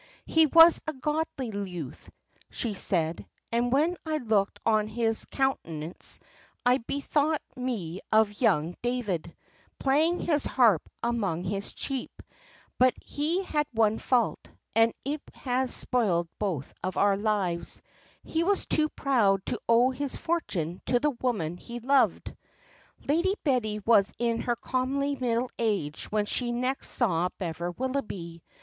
'He was a goodly youth,' she said, 'and when I looked on his countenance I bethought me of young David, playing his harp among his sheep; but he had one fault, and it has spoiled both our lives he was too proud to owe his fortune to the woman he loved.' "Lady Betty was in her comely middle age when she next saw Bever Willoughby.